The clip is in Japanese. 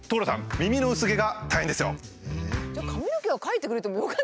耳の薄毛が大変ですよ。